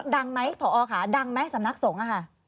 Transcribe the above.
ดังไหมผอค่ะดังไหมสำนักสงฆ์อะค่ะ